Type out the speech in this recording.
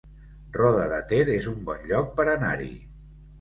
Roda de Ter es un bon lloc per anar-hi